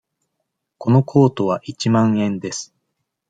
このコートは一万円です。